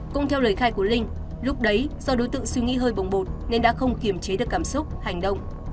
cũng theo lời khai của linh lúc đấy do đối tượng suy nghĩ hơi bồng bột nên đã không kiềm chế được cảm xúc hành động